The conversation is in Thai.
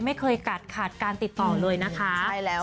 ไม่เคยขาดการติดต่อเลยนะคะ